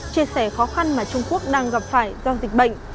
chia sẻ khó khăn mà trung quốc đang gặp phải do dịch bệnh